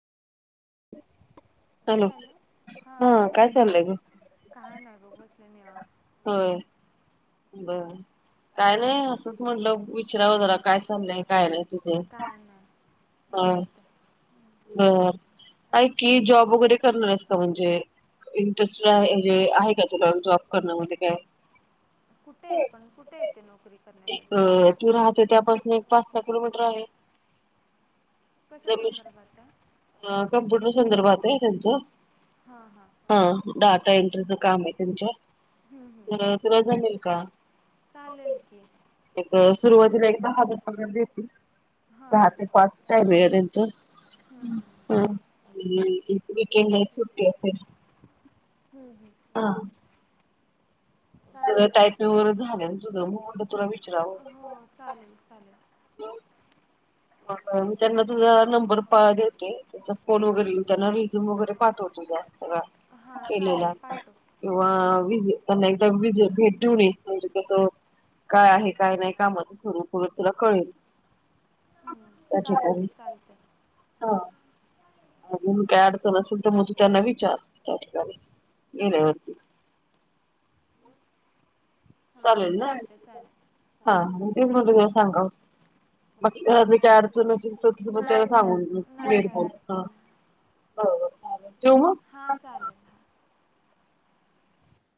Hello, हा बोल की, काय नाही बसलोय. निवांत. होय. बरं काय नाही तेच म्हनलं विचाराव जरा काय चाललंय काय नाही तुझे. हा बर ऐक की जॉब वगैरे करणार आहेस का म्हणजे इंटरेस्टड आहेे आहे का तुला जॉब करण्यामध्ये काय? कुठे पण कुठे आहे ते नोकरी करण्यासाठी आपल्याला. कम्प्युटर संदर्भात आहे त्यांचं, हा डाटा एंट्रीच काम आहे त्यांच्या तर तुला जमेल का एक सुरुवातीला एक दहा हजार पगार देतील दहा ते टायमिंग आहे त्याचं सुट्टी असेल हा. तर टायपिंग वगैरे झाले ना तुझं, मग म्हणल तुला विचारवं. ह. मी त्यांना तुझा नंबर देते, तेचा फोन वगैरे येऊन त्यांना रिझ्यूम वगैरे पाठव तुझा सगळा केलेला, किंवा विज त्यांना एकदा विज भेट देऊन ये म्हणजे कस. काय आहे काय नाही कामाचं स्वरूप उलट तुला कळेल. त्या ठिकाणी हा अजून काय अडचण असेल तर मग तू त्यांना विचार त्या ठिकाणी गेल्यावरती. चालेल ना हा तेच म्हनल तुला सांगाव मग काय अडचण नसेल तर, मग त्यांनला सांग मग वेळचा, ठेवू मग.